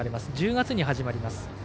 １０月に始まります。